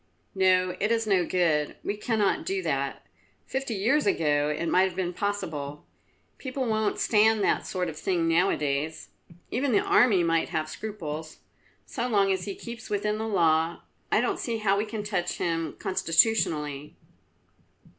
"No, it is no good; we cannot do that. Fifty years ago it might have been possible. People won't stand that sort of thing now a days; even the army might have scruples. So long as he keeps within the law, I don't see how we can touch him constitutionally."